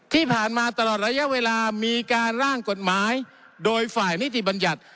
ที่ผ่านมาตลอดระยะเวลามีการร่างกฎหมายโดยฝ่ายนิติบัญญัติ